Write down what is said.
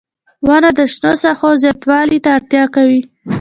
• ونه د شنو ساحو زیاتوالي ته مرسته کوي.